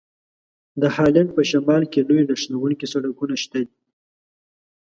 د هالند په شمال کې لوی نښلوونکي سړکونه شته دي.